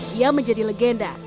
dia menjadi legenda